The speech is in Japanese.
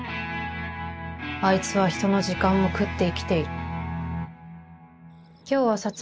あいつはひとの時間も食って生きている」。